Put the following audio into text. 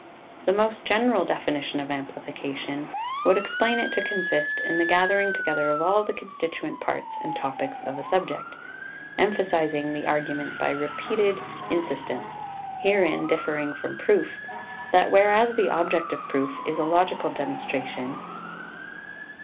[Footnote 1: Comp. i. 4. 26.] 2 The most general definition of amplification would explain it to consist in the gathering together of all the constituent parts and topics of a subject, emphasising the argument by repeated insistence, herein differing from proof, that whereas the object of proof is logical demonstration